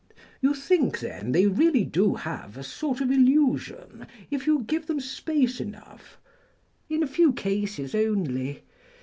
"You think, then, they really do have a sort of illusion, if you give them space enough—" "In a few cases only.